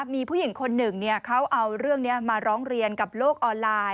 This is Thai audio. มีผู้หญิงคนหนึ่งเขาเอาเรื่องนี้มาร้องเรียนกับโลกออนไลน์